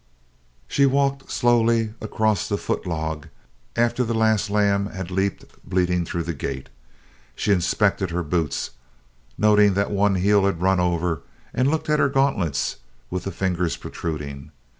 She walked slowly across the foot log after the last lamb had leaped bleating through the gate. She inspected her boots, noting that one heel had run over, and looked at her gauntlets, with the fingers protruding.